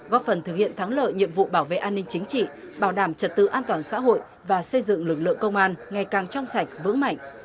góp phần thực hiện thắng lợi nhiệm vụ bảo vệ an ninh chính trị bảo đảm trật tự an toàn xã hội và xây dựng lực lượng công an ngày càng trong sạch vững mạnh